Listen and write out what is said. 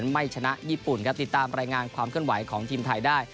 ไม่ชนะญี่ปุ่นครับติดตามรายงานความเคลื่อนไหวของทีมไทยได้